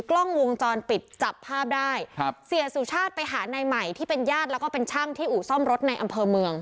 กล้องวงจรปิดจับภาพได้ครับเสียสุชาติไปหานายใหม่ที่เป็นญาติแล้วก็เป็นช่างที่อู่ซ่อมรถในอำเภอเมือง